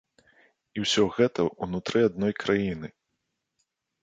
І ўсё гэта ўнутры адной краіны!